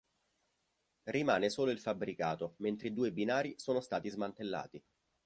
Rimane solo il fabbricato mentre i due binari sono stati smantellati.